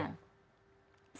lawan perusahaan hutan